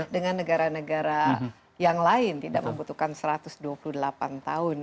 dengan negara negara yang lain tidak membutuhkan satu ratus dua puluh delapan tahun